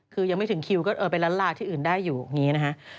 คือยังไม่ถึงคิวก็เออไปร้านลาที่อื่นได้อยู่อย่างนี้นะฮะ